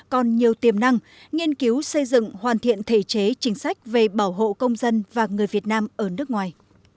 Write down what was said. còn nhiều tiềm năng nghiên cứu xây dựng hoàn thiện thể chế chính sách về bảo hộ công dân và người việt nam ở nước ngoài